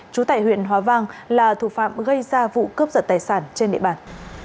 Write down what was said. trú tại huyện hòa vang là thủ phạm gây ra vụ cướp giật tài sản trên địa bàn